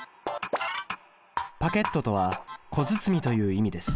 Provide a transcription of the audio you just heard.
パケットとは小包という意味です。